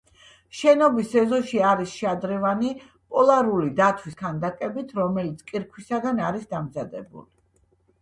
შენობის ეზოში არის შადრევანი პოლარული დათვის ქანდაკებით, რომელიც კირქვისგან არის დამზადებული.